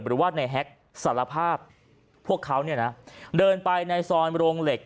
หรือว่าในแฮ็กสารภาพพวกเขาเนี่ยนะเดินไปในซอยโรงเหล็ก